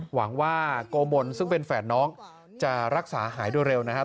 หวังว่าโกมลซึ่งเป็นแฝดน้องจะรักษาหายโดยเร็วนะครับ